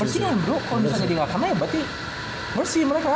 bersih kan bro kalau misalnya dia nggak sama ya berarti bersih mereka